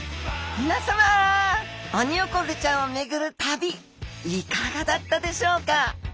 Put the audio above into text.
皆さまオニオコゼちゃんを巡る旅いかがだったでしょうか？